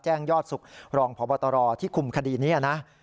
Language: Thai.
ยอดสุขรองพบตรที่คุมคดีนี้นะ